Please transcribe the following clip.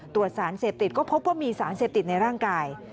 ตรวจสารเสพติดก็พบว่ามีสารเสพติดในร่างกาย